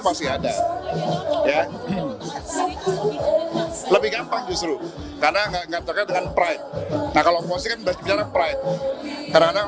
pasti ada lebih gampang justru karena nggak dengan pride kalau posisi kan berarti bicara pride karena